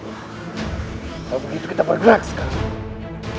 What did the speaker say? kalau begitu kita bergerak sekarang